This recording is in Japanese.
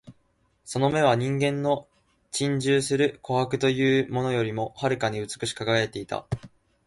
その眼は人間の珍重する琥珀というものよりも遥かに美しく輝いていた